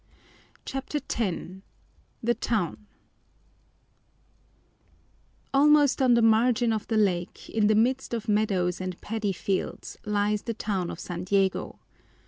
CHAPTER X The Town Almost on the margin of the lake, in the midst of meadows and paddy fields, lies the town of San Diego.